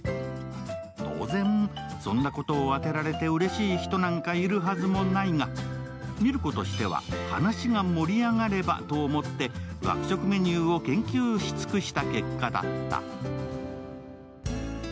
当然、そんなことを当てられてうれしい人なんかいるはずもないが海松子としては話が盛り上がればと思って学食メニューを研究し尽くした結果だった。